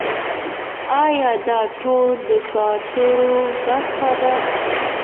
آیا دا ټول د کلتور برخه ده؟